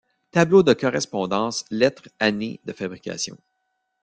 Tableau de correspondances lettres années de fabrication.